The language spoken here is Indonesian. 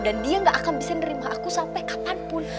dan dia gak akan bisa nerima aku sampe kapanpun